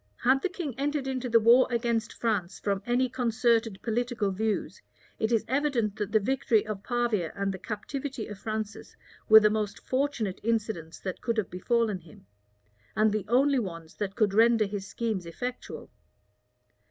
Had the king entered into the war against France from any concerted political views, it is evident that the victory of Pavia and the captivity of Francis were the most fortunate incidents that could have befallen him, and the only ones that could render his schemes effectual.